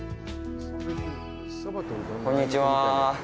こんにちは。